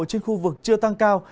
trên khu vực chưa tăng cao